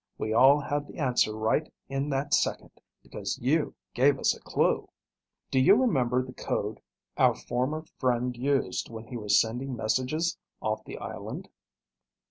"We all had the answer right in that second, because you gave us a clue. Do you remember the code our former friend used when he was sending messages off the island?"